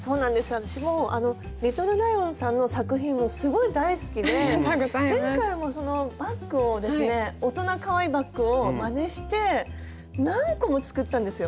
私もＬｉｔｔｌｅＬｉｏｎさんの作品すごい大好きで前回もバッグをですね大人かわいいバッグをまねして何個も作ったんですよ。